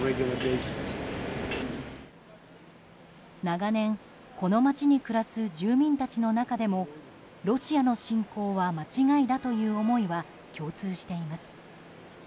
長年、この町に暮らす住民たちの中でもロシアの侵攻は間違いだという思いは共通しています。